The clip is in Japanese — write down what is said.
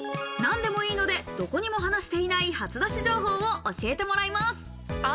何でもいいので、どこにも話していない初出し情報を教えてもらいます。